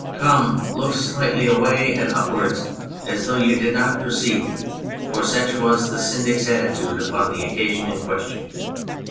Come, look slightly away and upwards as though you did not perceive me, for such was the Syndic's atti tude upon the occasion in question.